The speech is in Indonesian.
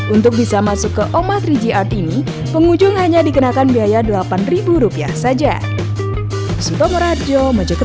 untuk bisa masuk ke omah tiga g art ini pengunjung hanya dikenakan biaya rp delapan saja